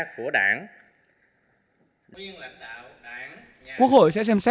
quyền lãnh đạo đảng nhà pháp quốc hội sẽ xem xét